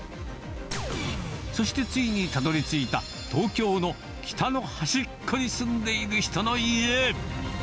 そしてついにたどりついた、東京の北の端っこに住んでいる人の家。